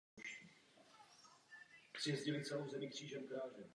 Na vzduchu se samovolně rozkládá.